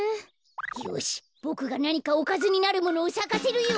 よしボクがなにかおかずになるものをさかせるよ！